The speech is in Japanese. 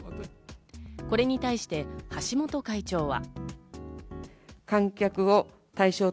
これに対して橋本会長は。